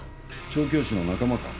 調教師の仲間か？